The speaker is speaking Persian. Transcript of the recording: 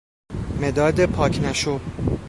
مداد پاک نشو